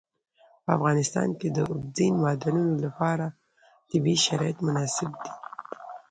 په افغانستان کې د اوبزین معدنونه لپاره طبیعي شرایط مناسب دي.